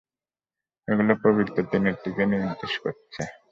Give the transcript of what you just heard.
এগুলো পবিত্র ট্রিনিটিকে নির্দেশ করছে!